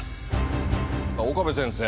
岡部先生